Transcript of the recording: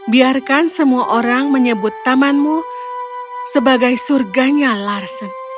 biarkan semua orang menyebut tamanmu sebagai surganya larsen